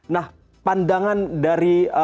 nah pandangan dari